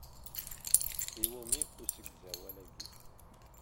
I wumi usegzawal-agi?